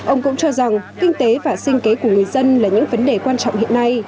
ông cũng cho rằng kinh tế và sinh kế của người dân là những vấn đề quan trọng hiện nay